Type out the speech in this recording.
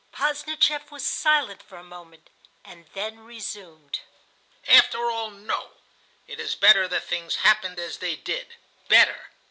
Posdnicheff was silent for a moment, and then resumed:— "After all, no! It is better that things happened as they did, better!"